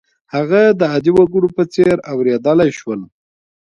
هغه د عادي وګړو په څېر اورېدلای شول.